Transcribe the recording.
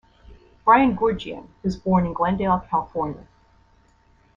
Brian Goorjian was born in Glendale, California.